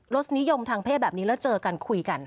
สนิยมทางเพศแบบนี้แล้วเจอกันคุยกัน